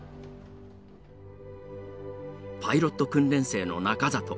パイロット訓練生の中里。